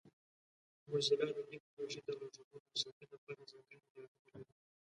موزیلا د دې پروژې د غږونو د ساتنې لپاره ځانګړي معیارونه لري.